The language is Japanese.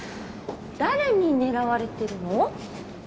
誰に狙われてるの？